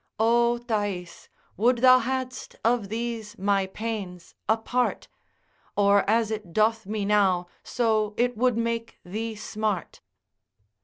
O Thais, would thou hadst of these my pains a part, Or as it doth me now, so it would make thee smart.